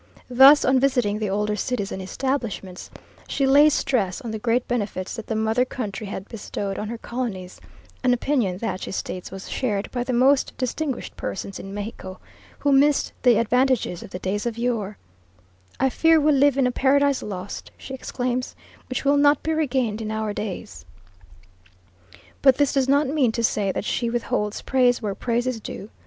Thus, on visiting the older cities and establishments, she lays stress on the great benefits that the Mother Country had bestowed on her Colonies, an opinion that, she states, was shared by the most distinguished persons in Mexico, who missed the advantages of the days of yore: "I fear we live in a Paradise Lost," she exclaims, "which will not be regained in our days!" But this does not mean to say that she withholds praise where praise is due.